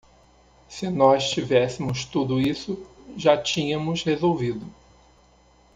Se nós tivéssemos tudo isso, já tínhamos resolvido